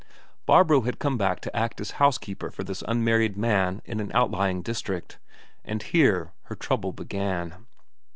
Barbro had come back to act as housekeeper for this unmarried man in an outlying district. And here her trouble began.